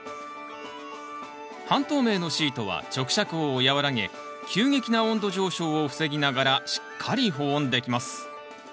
半透明のシートは直射光を和らげ急激な温度上昇を防ぎながらしっかり保温できます。